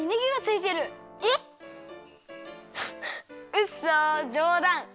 うっそじょうだん。